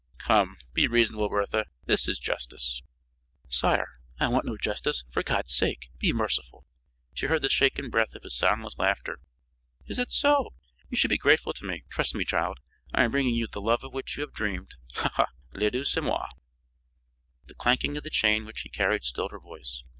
"Come! Be reasonable, Bertha. This is justice." "Sire, I want no justice. For God's sake, be merciful." She heard the shaken breath of his soundless laughter. "Is it so? You should be grateful to me. Trust me, child, I am bringing you the love of which you have dreamed. Ha! Ha! Le Dieu, c'est moi!" The clanking of the chain which he carried stilled her voice.